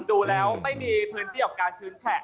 ดูแล้วไม่มีพื้นที่ของการชื้นแฉะ